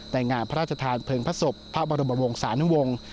ในงานพระราชทานเพลพสมประรมวงศ์สารวงศ์